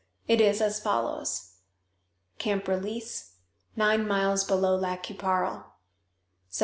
It is as follows: "CAMP RELEASE, NINE MILES BELOW LAC QUI PARLE, Sept.